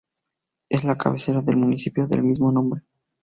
Es la cabecera del municipio del mismo nombre.